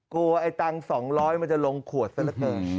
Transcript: กลัวไอ้ตังค์สองร้อยมันจะลงขวดซะละเกิน